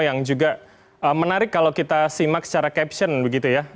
yang juga menarik kalau kita simak secara caption begitu ya